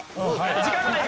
時間がない！